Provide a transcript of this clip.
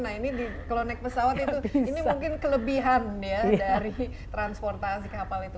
nah ini kalau naik pesawat itu ini mungkin kelebihan ya dari transportasi kapal itu